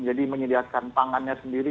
jadi menyediakan tangannya sendiri